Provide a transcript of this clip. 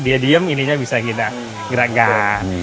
dia diem ininya bisa kita gerakan